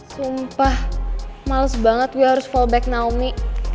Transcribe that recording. sumpah males banget gue harus fallback naomi